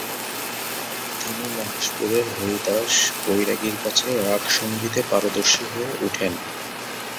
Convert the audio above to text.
তিনি মহেশপুরের হরিদাস বৈরাগীর কাছে রাগসঙ্গীতে পারদর্শী হয়ে উঠেন।